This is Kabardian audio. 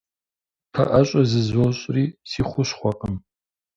Пэӏэщӏэ зызощӏри – си хущхъуэкъым.